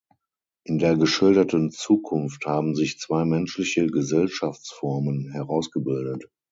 In der geschilderten Zukunft haben sich zwei menschliche Gesellschaftsformen herausgebildet.